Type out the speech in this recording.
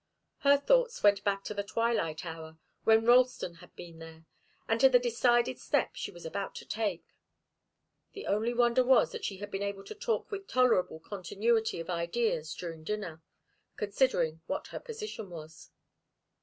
Her thoughts went back to the twilight hour, when Ralston had been there, and to the decided step she was about to take. The only wonder was that she had been able to talk with a tolerable continuity of ideas during dinner, considering what her position was.